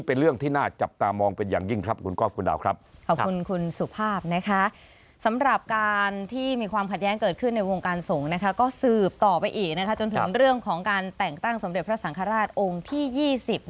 เป็นเรื่องที่น่าจับตามองเป็นอย่างยิ่งครับ